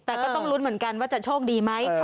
แต่ก็ต้องลุ้นเหมือนกันว่าจะโชคดีไหม